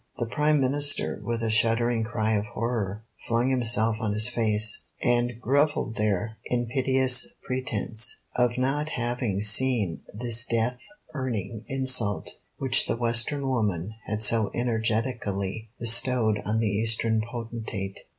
The Prime Minister, with a shuddering cry of horror, flung himself on his face, and grovelled there in piteous pretence of not having seen this death earning insult which the Western woman had so energetically bestowed on the Eastern potentate.